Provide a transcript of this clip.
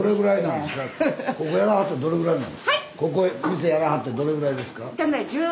店やらはってどれぐらいですか？